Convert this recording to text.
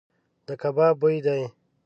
د کباب بوی دی .